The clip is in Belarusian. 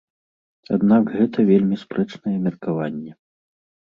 Аднак гэта вельмі спрэчнае меркаванне.